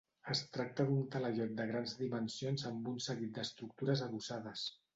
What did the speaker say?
Es tracta d’un talaiot de grans dimensions amb un seguit d’estructures adossades.